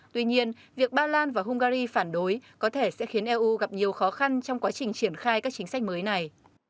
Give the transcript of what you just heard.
tuy nhiên việc ba lan và hungary phản đối có thể sẽ khiến eu gặp nhiều khó khăn trong quá trình triển khai các chính sách mới này